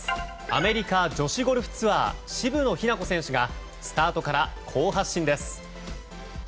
アメリカ女子ゴルフツアー渋野日向子選手がスタートから好発進です。